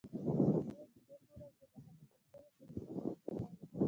دوشنبې او جمعې په ورځ زه د هغه پوښتنه په روغتون کې کوم